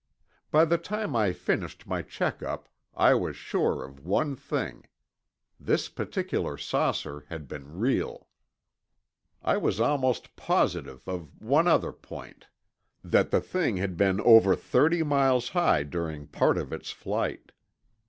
By the time I finished my check up, I was sure of one thing: This particular saucer had been real. I was almost positive of one other point that the thing had been over 30 miles high during part of its flight.